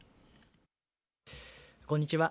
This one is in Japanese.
こんにちは。